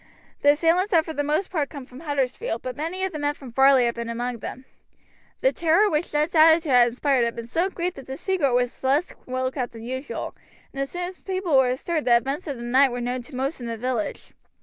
The assailants had for the most part come over from Huddersfield, but many of the men from Varley had been among them. The terror which Ned's attitude had inspired had been so great that the secret was less well kept than usual, and as soon as people were astir the events of the night were known to most in the village.